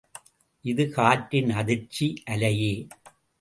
இது காற்றின் அதிர்ச்சி அலையே.